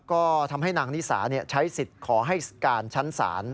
ก็ทำให้นางนิสาใช้สิทธิ์ขอให้การชั้นศาล